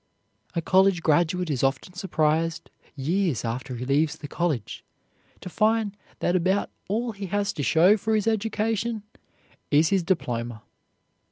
A college graduate is often surprised years after he leaves the college to find that about all he has to show for his education is his diploma.